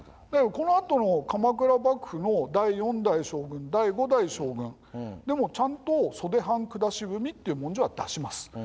だからこのあとの鎌倉幕府の第四代将軍第五代将軍でもちゃんと袖判下文っていう文書は出します。